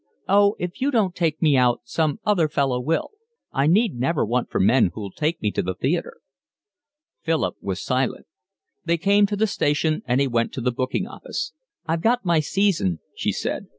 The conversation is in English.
"Oh, if you don't take me out some other fellow will. I need never want for men who'll take me to the theatre." Philip was silent. They came to the station, and he went to the booking office. "I've got my season," she said.